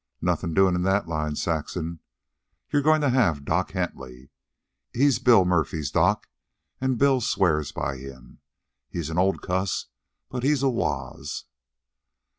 "Nothin' doin' in that line, Saxon. You're goin' to have Doc Hentley. He's Bill Murphy's doc, an' Bill swears by him. He's an old cuss, but he's a wooz."